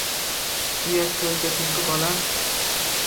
Uyatga o‘ldirding-ku, bolam.